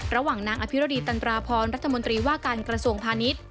ระหว่างนางอภิรดีตันราพรรัฐมนตรีว่าการกระทรวงพาณิชย์